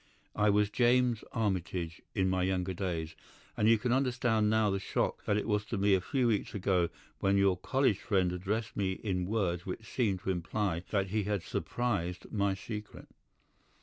I was James Armitage in my younger days, and you can understand now the shock that it was to me a few weeks ago when your college friend addressed me in words which seemed to imply that he had surmised my secret.